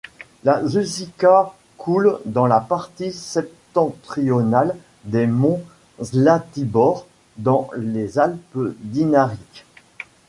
La Sušica coule dans la partie septentrionale des monts Zlatibor, dans les Alpes dinariques.